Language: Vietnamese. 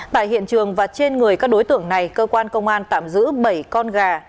tại hiện trường và trên người các đối tượng này cơ quan công an tạm giữ bảy con gà